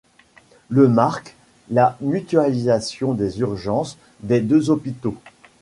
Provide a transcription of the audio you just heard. Le marque la mutualisation des urgences des deux hôpitaux.